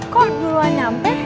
kok duluan nyampe